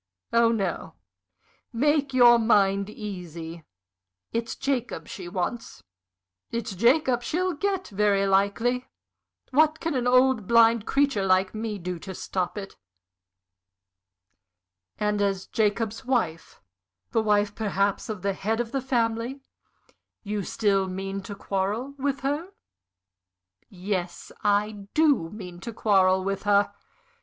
Oh no make your mind easy. It's Jacob she wants it's Jacob she'll get, very likely. What can an old, blind creature like me do to stop it?" "And as Jacob's wife the wife perhaps of the head of the family you still mean to quarrel with her?" "Yes, I do mean to quarrel with her!"